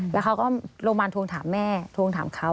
แล้วเขาก็โรงพยาบาลทวงถามแม่ทวงถามเขา